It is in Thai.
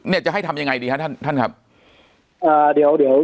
จะให้ทำยังไงดีฮะท่านท่านครับอ่าเดี๋ยวเดี๋ยว